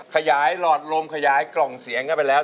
หลอดลมขยายกล่องเสียงเข้าไปแล้ว